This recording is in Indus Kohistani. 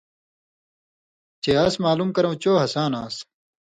چے اس معلوم کرؤں چو ہسان آن٘س۔